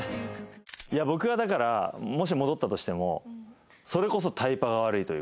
僕はだからもし戻ったとしてもそれこそタイパが悪いというか。